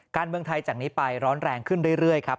การเมืองไทยจากนี้ไปร้อนแรงขึ้นเรื่อยครับ